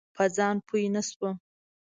په ځان پوی نه شوم.